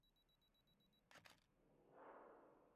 Pier Paolo Bianchi ganó por delante de Ezio Gianola y Fausto Gresini.